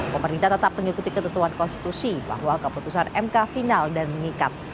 pemerintah tetap mengikuti ketentuan konstitusi bahwa keputusan mk final dan mengikat